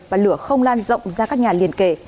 và lửa không lan rộng ra các nhà liền kể